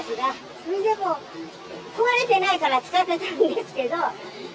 それでも壊れてないから使ってたんですけど。